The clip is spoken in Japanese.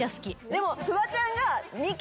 でもフワちゃんが「ニキ」